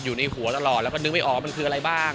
อยู่ในหัวตลอดแล้วก็นึกไม่ออกว่ามันคืออะไรบ้าง